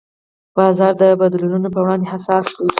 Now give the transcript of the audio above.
بازار د بدلونونو په وړاندې حساس دی.